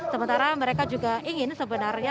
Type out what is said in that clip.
sementara mereka juga ingin sebenarnya